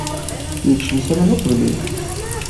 Yekcem s aman uqbel-iw.